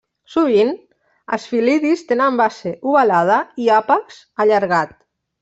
Sovint, els fil·lidis tenen base ovalada i àpex allargat.